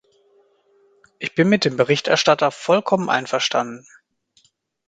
Ich bin mit dem Berichterstatter vollkommen einverstanden.